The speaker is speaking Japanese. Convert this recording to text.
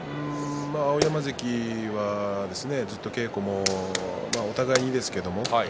碧山関はずっと稽古もお互いにですけど宝